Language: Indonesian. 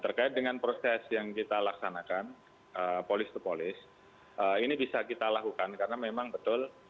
terkait dengan proses yang kita laksanakan polis to polis ini bisa kita lakukan karena memang betul